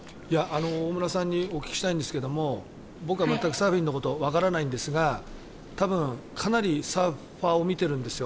大村さんにお聞きしたいんですけども僕は全くサーフィンのことはわからないんですが多分、かなりサーファーを見ているんですよ。